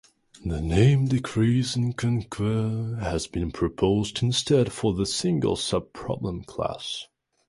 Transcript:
The name decrease and conquer has been proposed instead for the single-subproblem class.